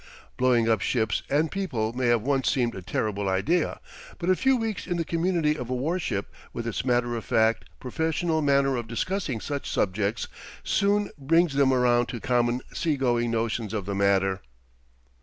Blowing up ships and people may have once seemed a terrible idea, but a few weeks in the community of a war ship with its matter of fact, professional manner of discussing such subjects soon brings them around to common, seagoing notions of the matter.